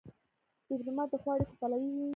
ډيپلومات د ښو اړیکو پلوی وي.